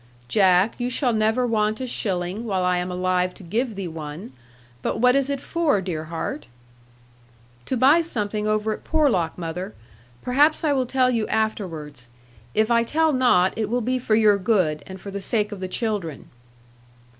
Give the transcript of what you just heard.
'Jack, you shall never want a shilling while I am alive to give thee one. But what is it for, dear heart, dear heart?' 'To buy something over at Porlock, mother. Perhaps I will tell you afterwards. If I tell not it will be for your good, and for the sake of the children.'